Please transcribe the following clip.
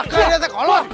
eh raka ini saya kolot